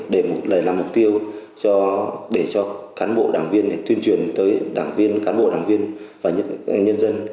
để làm mục tiêu để cho cán bộ đảng viên tuyên truyền tới đảng viên cán bộ đảng viên và nhân dân